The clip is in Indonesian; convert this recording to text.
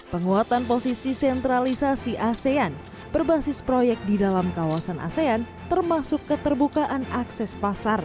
penguatan posisi sentralisasi asean berbasis proyek di dalam kawasan asean termasuk keterbukaan akses pasar